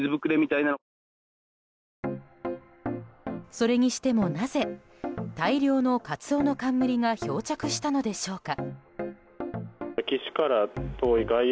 それにしても、なぜ大量のカツオノカンムリが漂着したのでしょうか。